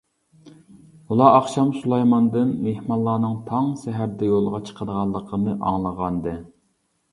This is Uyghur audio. ئۇلار ئاخشام سۇلايماندىن مېھمانلارنىڭ تاڭ سەھەردە يولغا چىقىدىغانلىقىنى ئاڭلىغانىدى.